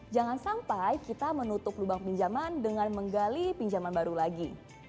jangan sampai kita menutup lubang pinjaman dengan menggali pinjaman baru lagi